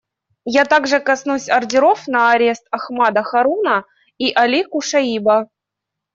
Я также коснусь ордеров на арест Ахмада Харуна и Али Кушаиба.